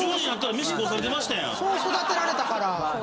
そう育てられたから。